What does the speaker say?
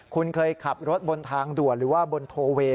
คุณเคยขับรถบนทางด่วนหรือว่าบนโทเวย์